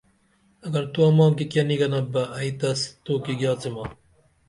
اگر تو اماں کی کیہ نی گنپ بہ ائی تس توکی گیاڅمیہ